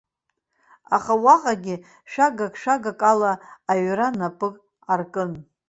Аха уаҟагьы шәагак-шәагак ала аҩра напы аркын.